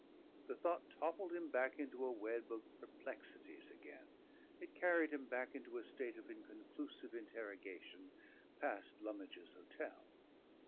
The thought toppled him back into a web of perplexities again. It carried him back into a state of inconclusive interrogation past Lummidge's Hotel.